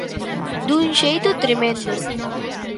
Dun xeito tremendo.